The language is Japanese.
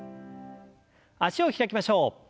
脚を開きましょう。